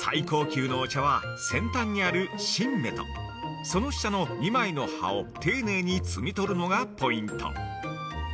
最高級のお茶は、先端にある芯芽とその下の２枚の葉を丁寧に摘みとるのがポイント。